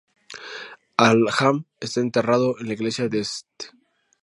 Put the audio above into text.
Hallam está enterrado en la iglesia de St.